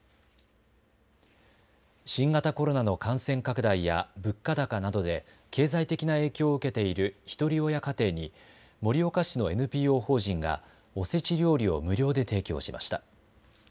新型コロナの感染拡大や物価高などで経済的な影響を受けているひとり親家庭に盛岡市のＮＰＯ法人がおせち料理を無料で提供しました。